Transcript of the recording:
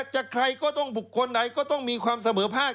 ใครก็ต้องบุคคลใดก็ต้องมีความเสมอภาค